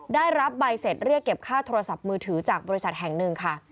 ได้รับใบเสร็จเรียกเก็บค่าโทรศัพท์มือถือจากบริษัทแห่งหนึ่งค่ะ